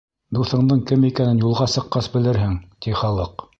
Дуҫыңдың кем икәнен юлға сыҡҡас белерһең, ти халыҡ.